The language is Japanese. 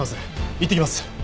いってきます！